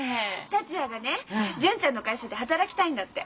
達也がね純ちゃんの会社で働きたいんだって。